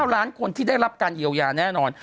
ล้านคนที่ได้รับการเยียวยาแน่นอน